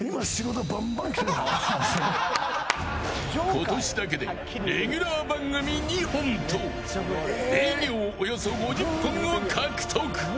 今年だけでレギュラー番組２本と営業、およそ５０本を獲得。